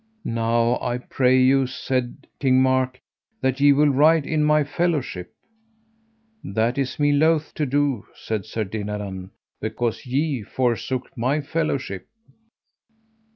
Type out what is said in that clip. Now I pray you, said King Mark, that ye will ride in my fellowship. That is me loath to do, said Sir Dinadan, because ye forsook my fellowship.